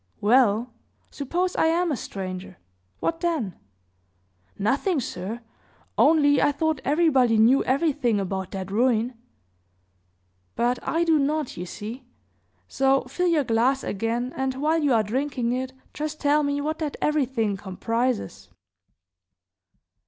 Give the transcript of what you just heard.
"Well, suppose I am a stranger? What then?" "Nothing, sir; only I thought everybody knew everything about that ruin." "But I do not, you see? So fill your glass again, and while you are drinking it, just tell me what that everything comprises."